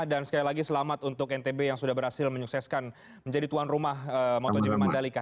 dan sekali lagi selamat untuk ntb yang sudah berhasil menyukseskan menjadi tuan rumah motogp mandalika